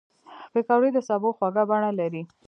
پکورې د سبو خواږه بڼه لري